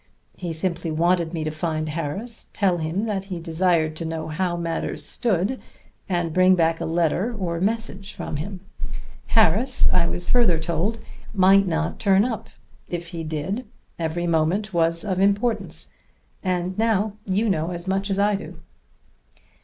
He simply wanted me to find Harris, tell him that he desired to know how matters stood, and bring back a letter or message from him. Harris, I was further told, might not turn up. If he did, 'every moment was of importance.' And now you know as much as I do."